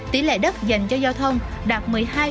tỷ lệ đất dành cho giao thông đạt